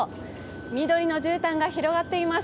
緑のじゅうたんが広がっています。